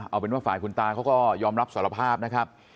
เอาเป็นว่าฝ่ายคุณตาเขาก็ยอมรับสารภาพนะครับ